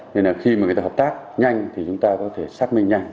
nên là khi mà người ta hợp tác nhanh thì chúng ta có thể xác minh nhanh